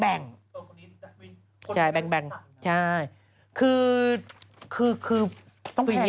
ตัวคนนี้จักรวินคนที่ในภูมิสัตว์